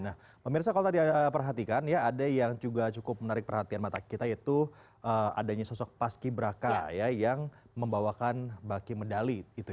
nah pemirsa kalau tadi anda perhatikan ya ada yang juga cukup menarik perhatian mata kita yaitu adanya sosok paski braka yang membawakan baki medali